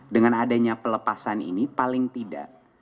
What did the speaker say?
dengan adanya pelepasan ini paling tidak